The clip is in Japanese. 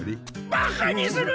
バカにするな！